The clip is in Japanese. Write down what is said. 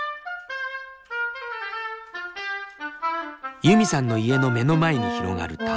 ユミさんの家の目の前に広がる田んぼ。